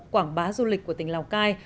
quảng bá du lịch của tỉnh lào cai